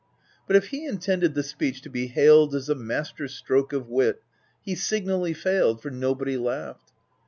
But if he intended the speech to be hailed as a master stroke of wit, he signally failed, for nobody laughed.